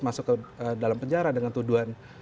masuk ke dalam penjara dengan tuduhan